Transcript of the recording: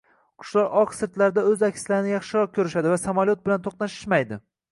Qushlar oq sirtlarda oʻz akslarini yaxshiroq ko'rishadi va samolyot bilan to'qnashishmaydi